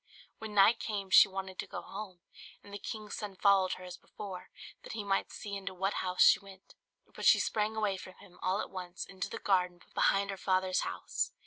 When night came she wanted to go home; and the king's son followed her as before, that he might see into what house she went; but she sprang away from him, all at once, into the garden behind her father's house.